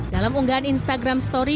dalam unggahan instagram story